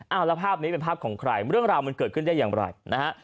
เอาแล้วภาพนี้เป็นภาพของใครเรื่องราวมันเกิดขึ้นได้อย่างไรนะฮะ